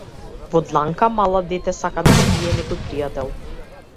Во дланка мала дете сака да скрие некој пријател.